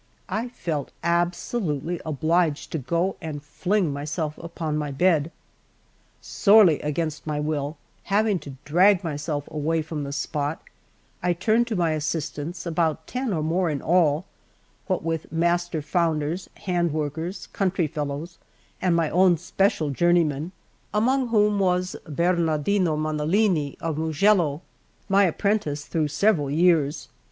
I felt absolutely obliged to go and fling myself upon my bed. Sorely against my will having to drag myself away from the spot, I turned to my assistants, about ten or more in all, what with master founders, hand workers, country fellows, and my own special journeymen, among whom was Bernardino Mannellini of Mugello, my apprentice through several years.